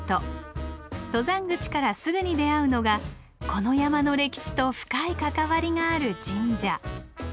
登山口からすぐに出会うのがこの山の歴史と深い関わりがある神社。